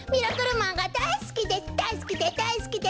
だいすきでだいすきでだいすきです！